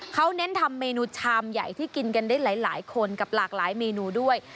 เขาเน้นทำเมนูชามใหญ่ที่กินกันได้หลายคนกับหลากหลายเมนูด้วย